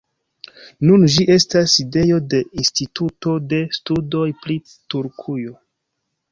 Nun ĝi estas sidejo de instituto de studoj pri Turkujo.